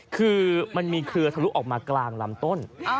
คือมันมีเครือทะลุออกมากลางลำต้น